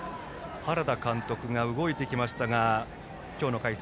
原田監督が動いてきましたが今日の解説